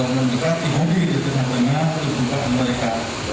mendekati hobi di tengah tengah kehidupan mereka